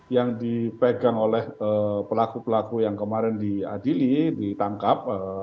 yang dipegang oleh pelaku pelaku yang kemarin diadili ditangkap